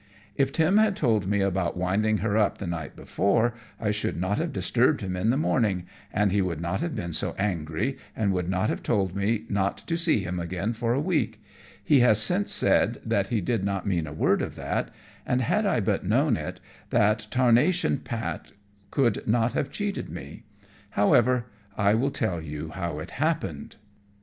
If Tim had told me about winding her up the night before I should not have disturbed him in the morning, and he would not have been so angry, and would not have told me not to see him again for a week. He has since said that he did not mean a word of that; and, had I but known it, that tarnation Pat could not have cheated me; however I will tell you how it happened. [Illustration: _The Death of the Watch.